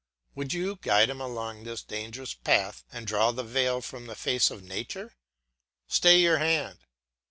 Would you guide him along this dangerous path and draw the veil from the face of nature? Stay your hand.